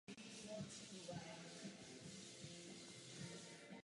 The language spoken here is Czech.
Metoda je díky malým nárokům na obsluhu vhodná pro domácí orientační měření krevního tlaku.